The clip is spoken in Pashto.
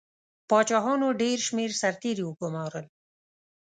پاچاهانو ډېر شمېر سرتیري وګمارل.